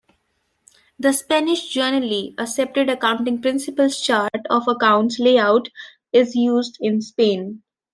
The Spanish generally accepted accounting principles chart of accounts layout is used in Spain.